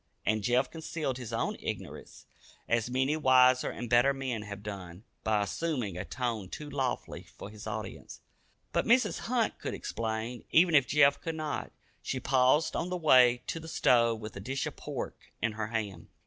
And Jeff concealed his own ignorance, as many wiser and better men have done, by assuming a tone too lofty for his audience. But Mrs. Hunt could explain, even if Jeff could not. She paused on the way to the stove with a dish of pork in her hand.